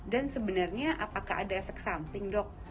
dan sebenarnya apakah ada efek samping dok